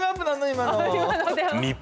今の。